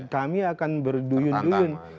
kami akan berduyun duyun